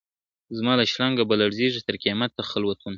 زما له شرنګه به لړزیږي تر قیامته خلوتونه ,